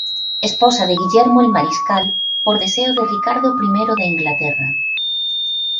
Esposa de Guillermo el Mariscal por deseo de Ricardo I de Inglaterra.